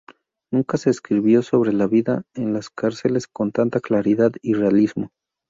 Nunca se escribió sobre la vida en las cárceles con tanta claridad y realismo.